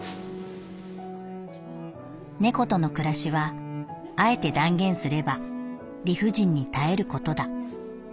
「猫との暮らしは敢えて断言すれば理不尽に耐えることだ。